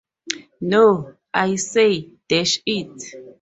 No, I say, dash it!